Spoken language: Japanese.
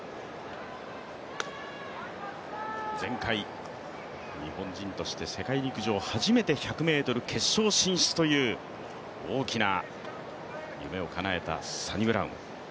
前回日本人として世界陸上初めて１００ｍ決勝進出という大きな夢をかなえたサニブラウン。